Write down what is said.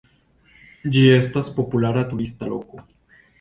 Ĝi estas populara turista loko.